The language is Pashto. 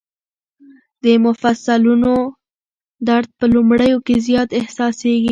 د مفصلونو درد په لومړیو کې زیات احساسېږي.